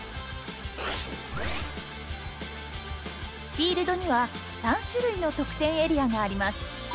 フィールドには３種類の得点エリアがあります。